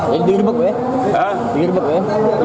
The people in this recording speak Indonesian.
yang diribuk ya